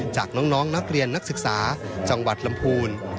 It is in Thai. จากน้องนักเรียนนักศึกษาจังหวัดลำพูน